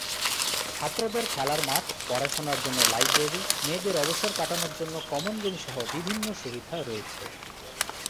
ছাত্রদের খেলার মাঠ, পড়াশোনার জন্য লাইব্রেরী, মেয়েদের অবসর কাটানোর জন্য কমন রুম সহ বিভিন্ন সুবিধা রয়েছে।